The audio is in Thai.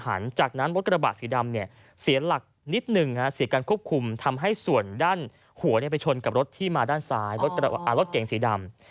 หลังจากนั้นรถกระบะสีดำเนี่ยเสียหลักนิดหนึ่งเสียการควบคุมทำให้ส่วนด้านหัวไปชนกับรถที่มาด้านซ้ายรถเก่งสีดำ